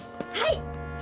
はい！